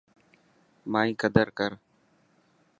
مائي قدر ڪر.